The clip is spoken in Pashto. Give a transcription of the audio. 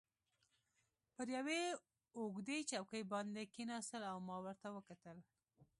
پر یوې اوږدې چوکۍ باندې کښېناستو او ما ورته وکتل.